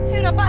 ya udah pak